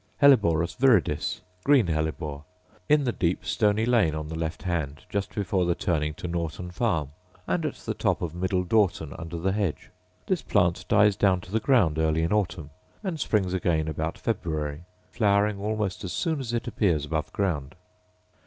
Helleborus viridis, green hellebore, — in the deep stony lane on the left hand just before the turning to Norton farm, and at the top of Middle Dorton under the hedge: this plant dies down to the ground early in autumn, and springs again about February, flowering almost as soon as it appears above ground.